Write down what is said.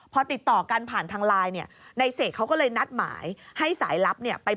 พอติดต่อกันผ่านทางไลน์ในเสกเขาก็เลยนัดหมาย